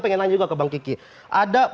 pengen nanya juga ke bang kiki ada